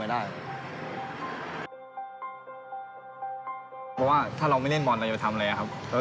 เพราะว่าถ้าเราไม่เล่นบอลเราจะทำอะไรครับ